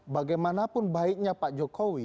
bagaimanapun baiknya pak jokowi